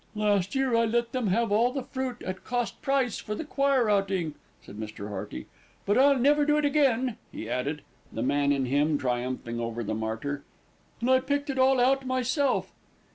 "Last year I let them have all the fruit at cost price for the choir outing," said Mr. Hearty; "but I'll never do it again," he added, the man in him triumphing over the martyr, "and I picked it all out myself."